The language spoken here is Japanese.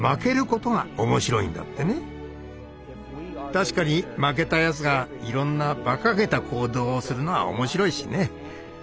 確かに負けたやつがいろんなバカげた行動をするのは面白いしね。